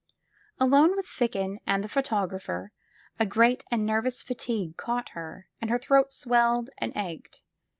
Alone with Ficken and the photographer, a great and nervous fatigue caught her and her throat swelled and ached.